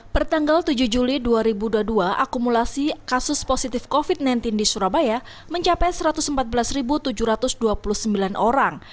pertanggal tujuh juli dua ribu dua puluh dua akumulasi kasus positif covid sembilan belas di surabaya mencapai satu ratus empat belas tujuh ratus dua puluh sembilan orang